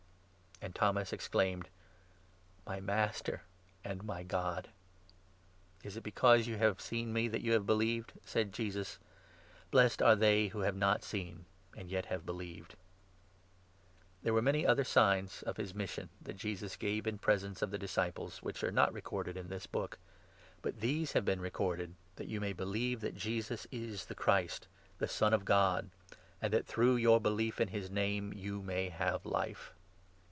And Thomas exclaimed : 28 " My Master, and my God !"" Is it because you have seen me that you have believed ?" 29 said Jesus. " Blessed are they who have not seen, and yet have believed !" The ob ect There were many other signs of his mission 30 of this that Jesus gave in presence of the disciples, which oospei. are not recorded in this book ; but these have 31 been recorded that you may believe that Jesus is the Christ, the Son of God— and that, through your belief in his Name, you may have Life.